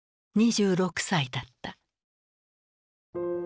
２６歳だった。